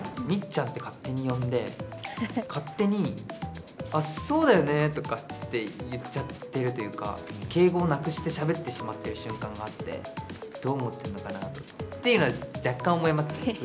みっちゃんって勝手に呼んで、勝手に、あっ、そうだよねとかって言っちゃってるというか、敬語をなくしてしゃべってしまってる瞬間があって、どう思っているのかなというのは、若干思いますね。